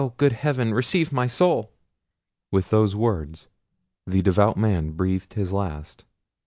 good heaven receive my soul!" With those words the devout man breathed his last.